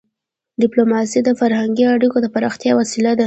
ډيپلوماسي د فرهنګي اړیکو د پراختیا وسیله ده.